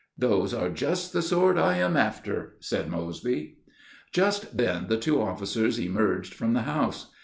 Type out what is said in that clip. "Those are just the sort I am after," said Mosby. Just then the two officers emerged from the house.